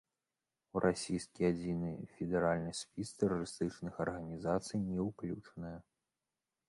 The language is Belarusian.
У расійскі адзіны федэральны спіс тэрарыстычных арганізацый не ўключаная.